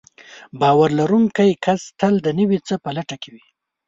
باور لرونکی کس تل د نوي څه په لټه کې وي.